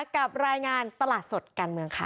กับรายงานตลาดสดการเมืองค่ะ